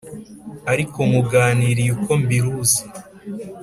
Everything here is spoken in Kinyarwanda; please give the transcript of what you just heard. Ariko nkuganiririye uko mbiruzi